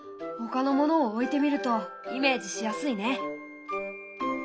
ほかのものを置いてみるとイメージしやすいね！